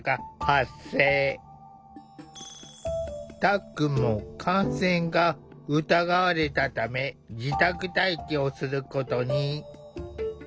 たっくんも感染が疑われたため自宅待機をすることに。